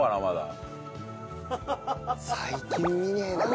最近見ねえな。